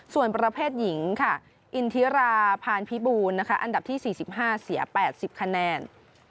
ส่วนประเภทหญิงค่ะอันดับที่สี่สิบห้าเสียแปดสิบคะแนน